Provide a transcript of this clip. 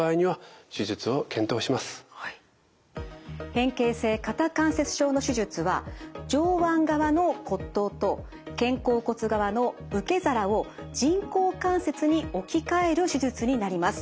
変形性肩関節症の手術は上腕側の骨頭と肩甲骨側の受け皿を人工関節に置き換える手術になります。